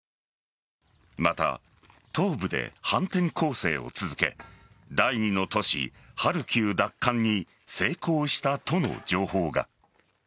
また、東部で反転攻勢を続け第２の都市・ハルキウ奪還に成功したとの情報が。